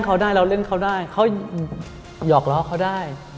เค้าได้เราเล่นเค้าได้เค้าหยอกล้อเค้าได้